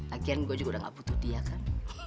lagian gue juga udah gak butuh dia kan